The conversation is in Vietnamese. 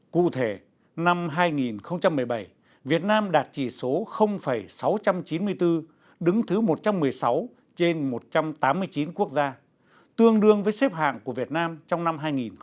cụ thể năm hai nghìn một mươi bảy việt nam đạt chỉ số sáu trăm chín mươi bốn đứng thứ một trăm một mươi sáu trên một trăm tám mươi chín quốc gia tương đương với xếp hạng của việt nam trong năm hai nghìn một mươi tám